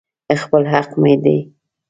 خپل حق مې دى.